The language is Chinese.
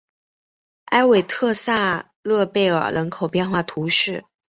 埃韦特萨勒贝尔人口变化图示